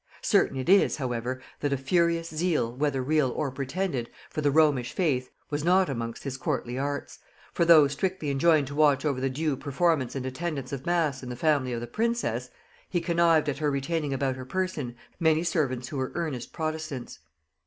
Certain it is, however, that a furious zeal, whether real or pretended, for the Romish faith, was not amongst his courtly arts; for though strictly enjoined to watch over the due performance and attendance of mass in the family of the princess, he connived at her retaining about her person many servants who were earnest protestants.